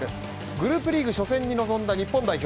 グループリーグ初戦に臨んだ日本代表。